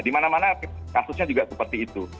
di mana mana kasusnya juga seperti itu